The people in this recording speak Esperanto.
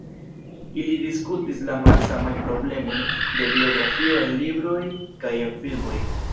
Ili diskutis la malsamajn problemojn de biografio en libroj kaj en filmoj.